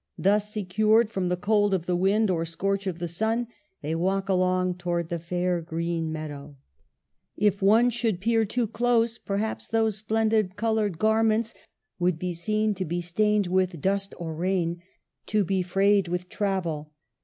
Thus, secured from cold of the wind or scorch of the sun, they walk along towards the fair green meadow. 224 MARGARET OF ANGOULtME. If one should peer too close, perhaps those splendid, colored garments would be seen to be stained with dust or rain, to be frayed with travel.